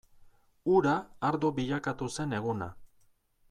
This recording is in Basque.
Ura ardo bilakatu zen eguna.